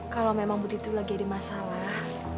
kalau memang bu diti itu lagi ada masalah